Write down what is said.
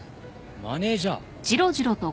マネージャー。